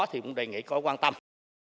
thì cũng đề nghị coi quan tâm